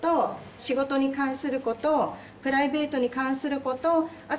仕事に関することプライベートに関すること